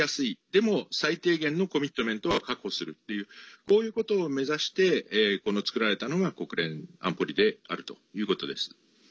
でも最低限のコミットメントは確保するというこういうことを目指して作られたのが国連安保理であるということです。